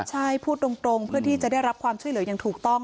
ใช่พูดตรงเพื่อที่จะได้รับความช่วยเหลืออย่างถูกต้อง